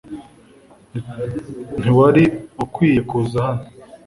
ntiwari ukwiye kuza hano